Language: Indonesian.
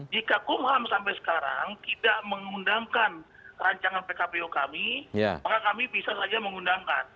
jika kumham sampai sekarang tidak mengundangkan rancangan pkpu kami maka kami bisa saja mengundangkan